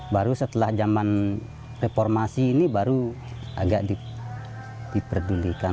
baru setelah zaman reformasi ini baru agak diperdulikan